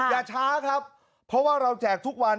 อย่าช้าครับเพราะว่าเราแจกทุกวัน